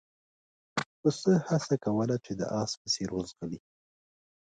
پسه هڅه کوله چې د اس په څېر وځغلي.